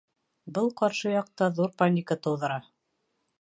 Был ҡаршы яҡта ҙур паника тыуҙыра.